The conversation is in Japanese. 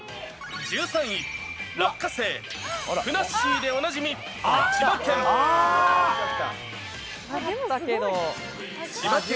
１３位、落花生、ふなっしーでおなじみ、千葉県。